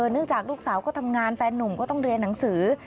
เนื่องจากลูกสาวก็ทำงานแฟนนุ่มก็ต้องเรียนหนังสือ